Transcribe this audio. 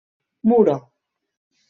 Muro.